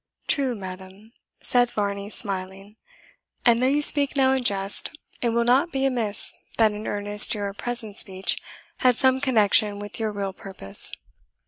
"True, madam," said Varney, smiling; "and though you speak now in jest, it will not be amiss that in earnest your present speech had some connection with your real purpose.